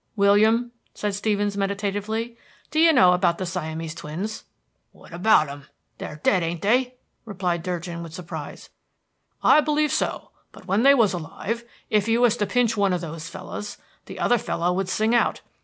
"William," said Stevens meditatively, "do you know about the Siamese twins?" "What about 'em, they're dead, ain't they?" replied Durgin, with surprise. "I believe so; but when they was alive, if you was to pinch one of those fellows, the other fellow would sing out.